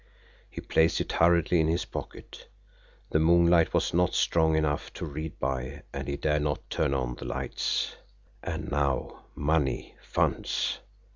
He placed it hurriedly in his pocket the moonlight was not strong enough to read by, and he dared not turn on the lights. And now money funds.